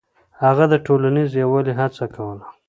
هغه د ټولنيز يووالي هڅه کوله.